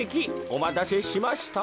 おまたせしました。